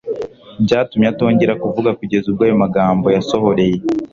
Byatumye atongera kuvuga kugeza ubwo ayo magambo yasohoreye